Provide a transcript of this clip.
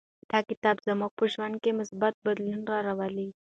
دا کتاب زموږ په ژوند کې مثبت بدلون راولي.